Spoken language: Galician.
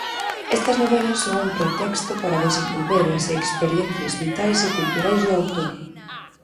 Estas novelas son un pretexto para desenvolver as experiencias vitais e culturais do autor.